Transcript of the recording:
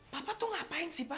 papa tuh ngapain sih pak